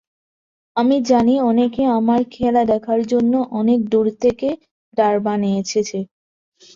আমি জানি, অনেকে আমার খেলা দেখার জন্য অনেক দূর থেকে ডারবানে এসেছে।